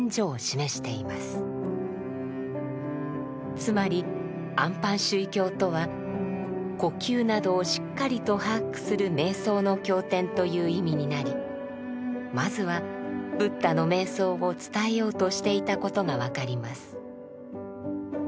つまり「安般守意経」とは呼吸などをしっかりと把握する瞑想の経典という意味になりまずはブッダの瞑想を伝えようとしていたことが分かります。